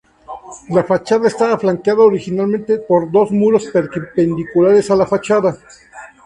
La fachada estaba flanqueada originalmente por dos muros perpendiculares a la fachada.